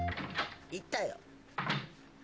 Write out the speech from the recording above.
いったよ。